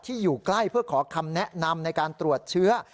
อยู่ใกล้เพื่อขอคำแนะนำในการตรวจเชื้อ